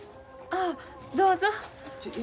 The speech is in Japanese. ああどうぞ。